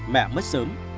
mẹ mất sớm